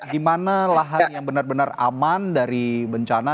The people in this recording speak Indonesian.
di mana lahan yang benar benar aman dari bencana